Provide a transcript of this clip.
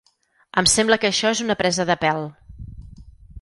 Em sembla que això és una presa de pèl!